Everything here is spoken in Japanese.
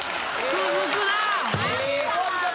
続くなぁ。